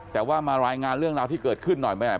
แต่ว่ามารายงานเรื่องราวที่เกิดขึ้นหน่อยแม่